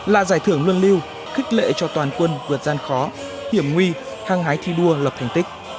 là giải thưởng luân lưu khích lệ cho toàn quân vượt gian khó hiểm nguy hăng hái thi đua lập thành tích